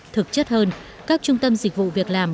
thực chất hơn các trung tâm dịch vụ việc làm